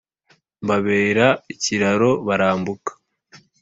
mbabera ikiraro barambuka